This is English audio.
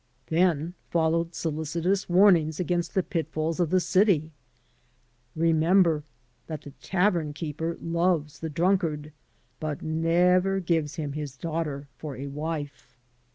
Then followed solicitous warnings against the pitfalls of the city: "Remember that the tavern keeper loves the drunkard, but never gives him his daughter for a wife.